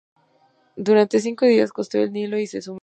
Durante cinco días costeó el Nilo y se sumergió en el desierto egipcio.